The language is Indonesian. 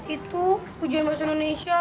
itu hujan masih indonesia